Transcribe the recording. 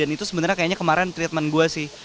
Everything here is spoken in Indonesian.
dan itu sebenernya kayaknya kemarin treatment gue sih